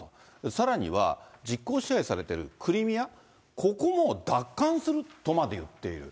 さらには、実効支配されてるクリミア、ここも奪還するとまで言っている。